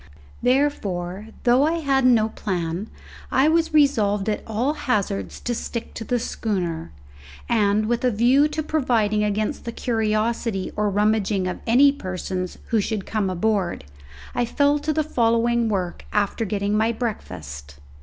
Therefore, though I had no plan, I was resolved at all hazards to stick to the schooner, and, with a view to providing against the curiosity or rummaging of any persons who should come aboard I fell to the following work after getting my breakfast.